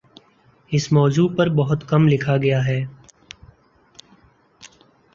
اس موضوع پر بہت کم لکھا گیا ہے